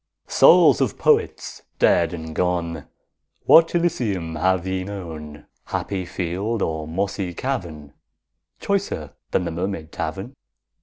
Souls of Poets dead and gone, What Elysium have ye known, Happy field or mossy cavern, Choicer than the Mermaid Tavern?